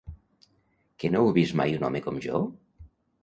Que no heu vist mai un home com jo?